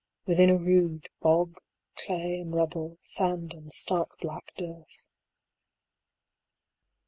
within a rood, Bog, clay and rubble, sand and stark black dearth.